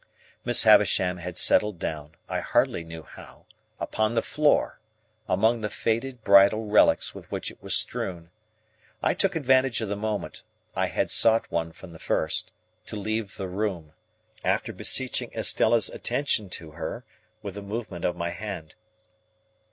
Miss Havisham had settled down, I hardly knew how, upon the floor, among the faded bridal relics with which it was strewn. I took advantage of the moment—I had sought one from the first—to leave the room, after beseeching Estella's attention to her, with a movement of my hand.